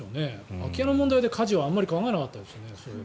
空き家の問題で、火事はあまり考えなかったですね。